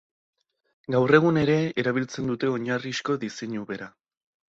Gaur egun ere erabiltzen dute oinarrizko diseinu bera.